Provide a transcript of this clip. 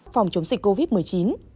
phòng chống dịch covid một mươi chín